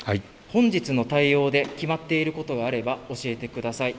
本日の対応で決まっていることがあれば教えてください。